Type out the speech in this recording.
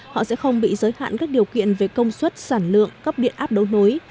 họ sẽ không bị giới hạn các điều kiện về công suất sản lượng cấp điện áp đấu nối